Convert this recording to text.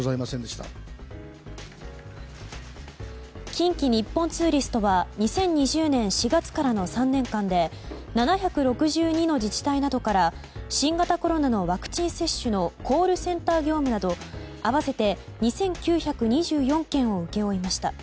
近畿日本ツーリストは２０２０年４月からの３年間で７６２の自治体などから新型コロナのワクチン接種のコールセンター業務など合わせて２９２４件を請け負いました。